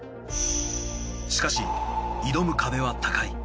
しかし挑む壁は高い。